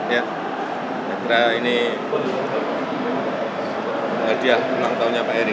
ya karena ini hadiah pulang taunya pak erik